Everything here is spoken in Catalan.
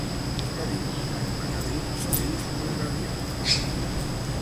Què diu en Manelic feliç i rabiós?